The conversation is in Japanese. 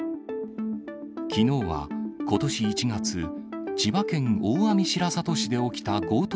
きのうは、ことし１月、千葉県大網白里市で起きた強盗